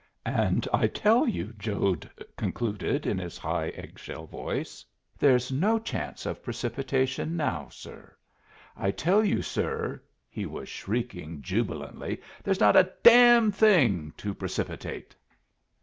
"And I tell you," Jode concluded, in his high, egg shell voice, "there's no chance of precipitation now, sir. I tell you, sir," he was shrieking jubilantly "there's not a damn' thing to precipitate!"